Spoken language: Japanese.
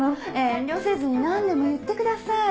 遠慮せずに何でも言ってください。